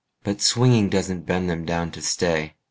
But swinging doesn't bend them down to stay.